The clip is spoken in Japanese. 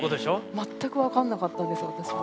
全く分かんなかったんです私。